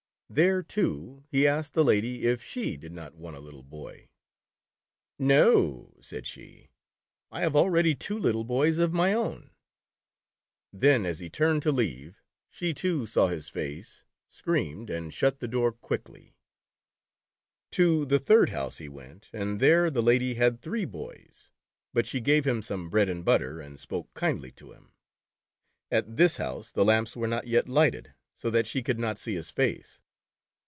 There, too, he asked the lady if sJie did not want a little boy. " No," said she, "I have already two little boys of my own." Then as he turned to leave, she too saw his face, screamed, and shut the door quickly. To the third house he went, and there the lady had three boys. But she gave him some bread and butter and spoke kindly to him. At this house the lamps were not yet lighted, so that she could not see his face.